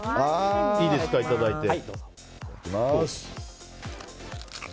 いいですか、いただいて。